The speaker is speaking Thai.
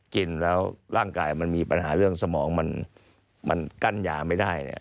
กินแล้วร่างกายมันมีปัญหาเรื่องสมองมันกั้นยาไม่ได้เนี่ย